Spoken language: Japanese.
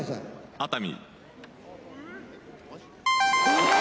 熱海？